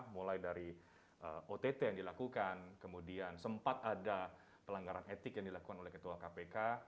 mulai dari ott yang dilakukan kemudian sempat ada pelanggaran etik yang dilakukan oleh ketua kpk